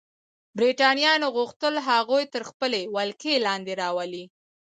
برېټانویانو غوښتل هغوی تر خپلې ولکې لاندې راولي.